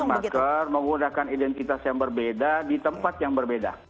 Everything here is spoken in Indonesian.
memakai masker menggunakan identitas yang berbeda di tempat yang berbeda